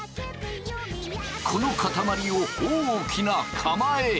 この塊を大きな釜へ。